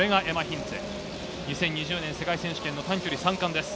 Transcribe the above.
２０２０年世界選手権短距離三冠です。